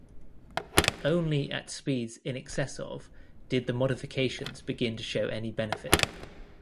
Only at speeds in excess of did the modifications begin to show any benefit.